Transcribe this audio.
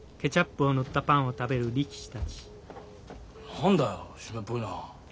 何だよ湿っぽいな。